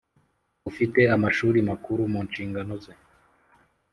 ufite Amashuri Makuru mu nshingano ze